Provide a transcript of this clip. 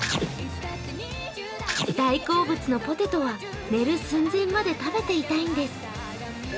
大好物のポテトは寝る寸前まで食べていたいんです。